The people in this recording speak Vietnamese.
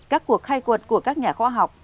các cuộc khai cuộc của các nhà khoa học